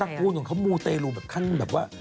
แต่ก็ตระกูลของเขามูเตรูแบบขั้นแบบว่า